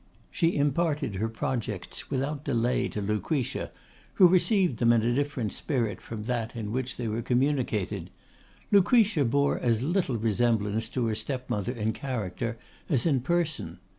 She imparted her projects without delay to Lucretia, who received them in a different spirit from that in which they were communicated. Lucretia bore as little resemblance to her step mother in character, as in person.